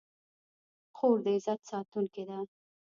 خور د عزت ساتونکې ده.